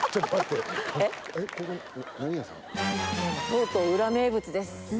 とうとうウラ名物です。